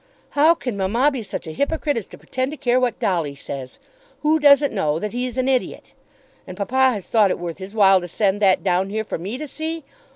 "How can mamma be such a hypocrite as to pretend to care what Dolly says? Who doesn't know that he's an idiot? And papa has thought it worth his while to send that down here for me to see!